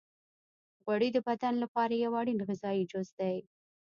غوړې د بدن لپاره یو اړین غذایي جز دی.